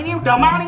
ini udah maling